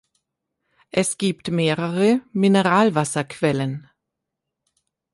Es gibt mehrere Mineralwasserquellen.